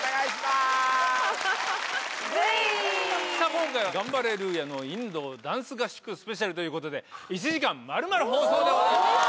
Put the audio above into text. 今回は「ガンバレルーヤのインドダンス合宿スペシャル」ということで１時間丸々放送でございます。